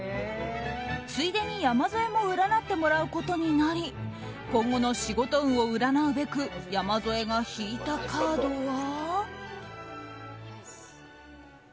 ついでに山添も占ってもらうことになり今後の仕事運を占うべく山添が引いたカードは。